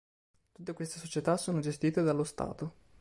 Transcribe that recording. Tutte queste società sono gestite dallo Stato.